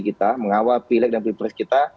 kita mengawal pilek dan pilpres kita